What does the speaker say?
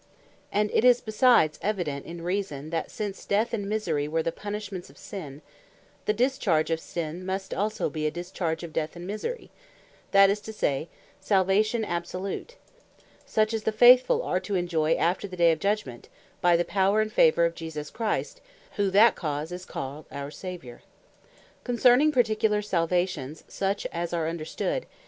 And it is besides evident in reason, that since Death and Misery, were the punishments of Sin, the discharge of Sinne, must also be a discharge of Death and Misery; that is to say, Salvation absolute, such as the faithfull are to enjoy after the day of Judgment, by the power, and favour of Jesus Christ, who for that cause is called our SAVIOUR. Concerning Particular Salvations, such as are understood, 1 Sam.